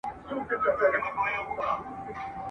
بس تر مرګه به مو هلته یارانه وي !.